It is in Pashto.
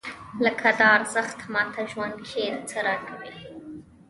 لکه دا ارزښت ماته ژوند کې څه راکوي؟